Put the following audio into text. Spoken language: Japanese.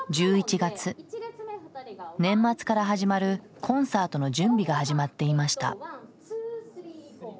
年末から始まるコンサートの準備が始まっていました。